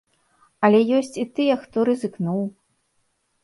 Але ёсць і тыя, хто рызыкнуў.